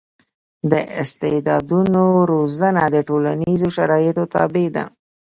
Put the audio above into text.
د استعدادونو روزنه د ټولنیزو شرایطو تابع ده.